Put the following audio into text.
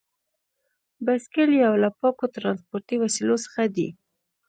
بایسکل یو له پاکو ترانسپورتي وسیلو څخه دی.